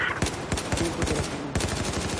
Em ê bibiriqînin.